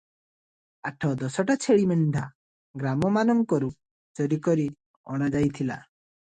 ଆଠ ଦଶଟା ଛେଳି ମେଣ୍ଢା ଗ୍ରାମମାନଙ୍କରୁ ଚୋରି କରି ଅଣାଯାଇଥିଲା ।